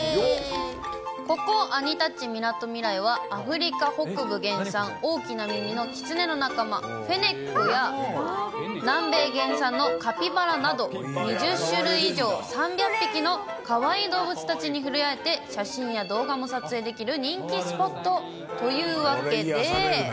ここ、アニタッチみなとみらいはアフリカ北部原産、大きな耳のキツネの仲間、フェネックや、南米原産のカピバラなど、２０種類以上、３００匹のかわいい動物たちに触れ合えて、写真や動画も撮影できる人気スポットというわけで。